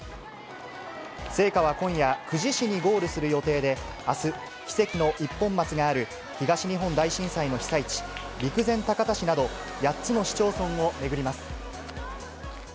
聖火は今夜、久慈市にゴールする予定で、あす、奇跡の一本松がある東日本大震災の被災地、陸前高田市など、８つの市町村を巡ります。